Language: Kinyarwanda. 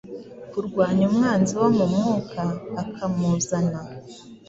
Kurwanya Umwanzi wo mu mwuka, akamuzana